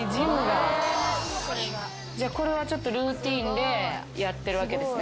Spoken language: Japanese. これはちょっとルーティンでやってるわけですね